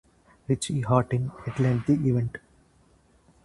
Richie Hawtin headlined the event.